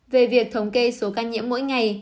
về việc thống kê số ca nhiễm mỗi ngày